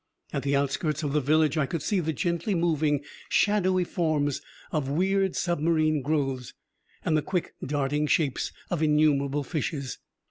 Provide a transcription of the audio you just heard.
At the outskirts of the village I could see the gently moving, shadowy forms of weird submarine growths, and the quick darting shapes of innumerable fishes.